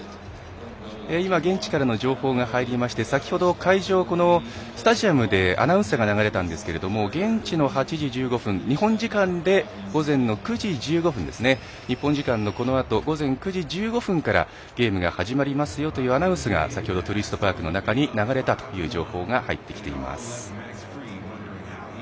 現地からの情報が入りまして先ほど会場、このスタジアムでアナウンスが流れたんですが現地の８時１５分、日本時間このあと９時１５分からゲームが始まりますよというアナウンスが先ほどトゥルイストパークに流れてきたという情報が入ってきています。